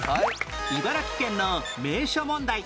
茨城県の名所問題